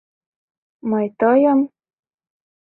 Мый ты-йым...